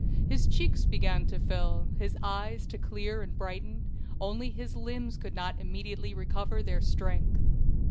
His cheeks began to fill, his eyes to clear and brighten, only his limbs could not immediately recover their strength.